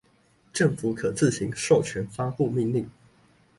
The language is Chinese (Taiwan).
政府可自行授權發布命令